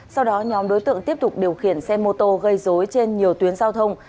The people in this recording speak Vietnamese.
sau đó nhóm đối tượng tiếp tục điều khiển xe mô tô gây dối trên nhiều tuyến giao thông